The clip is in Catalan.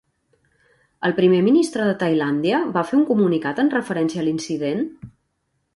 El primer ministre de Tailàndia va fer un comunicat en referència a l'incident?